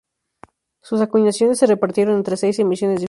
Sus acuñaciones se repartieron entre seis emisiones diferentes.